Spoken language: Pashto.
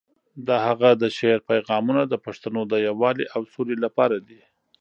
د هغه د شعر پیغامونه د پښتنو د یووالي او سولې لپاره دي.